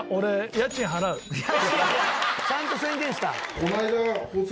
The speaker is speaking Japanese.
家賃ちゃんと宣言した。